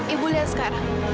ibu lihat sekarang